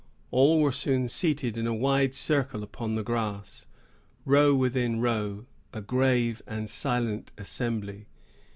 All were soon seated in a wide circle upon the grass, row within row, a grave and silent assembly.